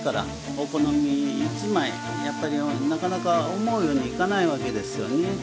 お好み一枚やっぱりなかなか思うようにはいかないわけですよね。